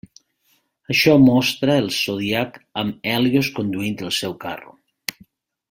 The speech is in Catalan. Això mostra el Zodíac amb Hèlios conduint el seu carro.